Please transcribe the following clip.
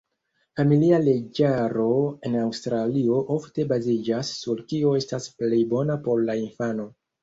Familia Leĝaro en Aŭstralio ofte baziĝas sur kio estas plej bona por la infano.